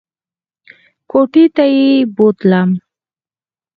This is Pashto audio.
کوټې ته یې بوتلم !